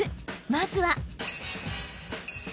［まずは］